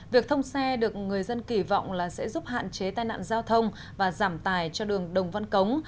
việc thông xe được người dân kỳ vọng là sẽ giúp hạn chế tai nạn giao thông và giảm tài cho đường đồng văn cống